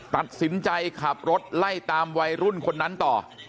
ตัดสินใจขับรถไล่ตามวัยรุ่นคนนั้นต่อ